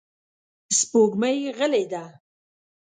سپوږمۍ غلې ده.